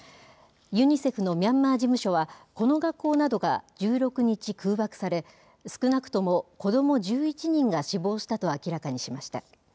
ユニセフのミャンマー事務所は、この学校などが１６日、空爆され、少なくとも子ども１１人が死亡したと明らかにしました。